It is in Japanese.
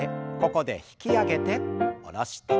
ここで引き上げて下ろして。